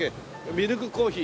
ミルクコーヒー？